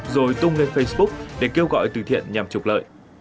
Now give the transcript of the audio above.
rồi tung lên facebook để kêu gọi từ thiện nhằm trục lợi